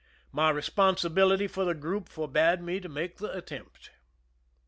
My responsibility for the group f orb^ide me to make the attempt.